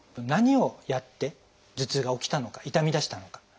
何をやって頭痛が起きたのか痛みだしたのか。